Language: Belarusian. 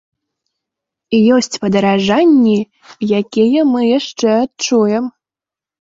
Ёсць падаражанні, якія мы яшчэ адчуем.